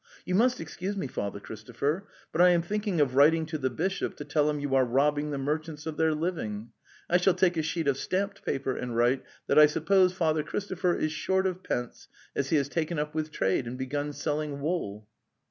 'You must excuse me, Father Christopher, but I am thinking of writing to the bishop to tell him you are robbing the merchants of their living. I shall take a sheet of stamped paper and write that I suppose Father Christopher is short of pence, as he has taken up with trade and begun selling wool."